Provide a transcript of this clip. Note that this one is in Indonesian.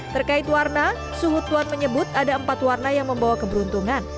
terkait warna suhu tuan menyebut ada empat warna yang membawa keberuntungan